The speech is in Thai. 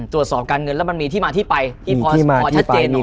ตรวจสอบการเงินแล้วมันมีที่มาที่ไปที่พอชัดเจนอยู่